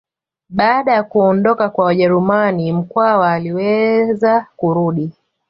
Baada ya kuondoka kwa Wajerumani Mkwawa aliweza kurudi